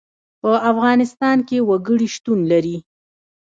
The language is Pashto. په افغانستان کې وګړي شتون لري.